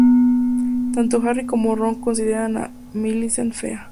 Tanto Harry como Ron consideran a Millicent fea.